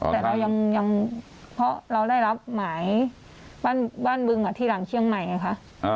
แต่เรายังเพราะเราได้รับหมายบ้านบึงที่หลังเชียงใหม่ไงคะ